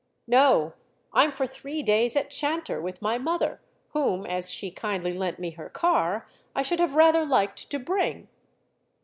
"No, I'm for three days at Chanter with my mother; whom, as she kindly lent me her car, I should have rather liked to bring."